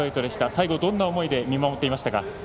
最後どんな思いで見守っていましたか。